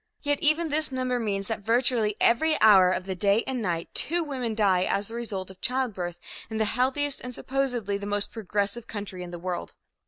Yet even this number means that virtually every hour of the day and night two women die as the result of childbirth in the healthiest and supposedly the most progressive country in the world.